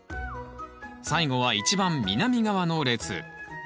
最後は一番南側の列。